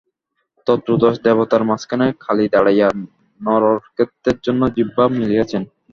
ত্রয়োদশ দেবতার মাঝখানে কালী দাঁড়াইয়া নররক্তের জন্য জিহ্বা মেলিয়াছেন।